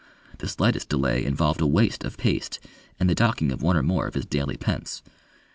The slightest delay involved a waste of paste and the docking of one or more of his daily pence.